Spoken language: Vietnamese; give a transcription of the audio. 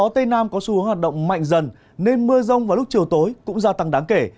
gió tây nam có xu hướng hoạt động mạnh dần nên mưa rông vào lúc chiều tối cũng gia tăng đáng kể